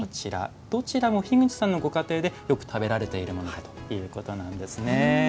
どちらも、樋口さんのご家庭でよく食べられているものだということなんですね。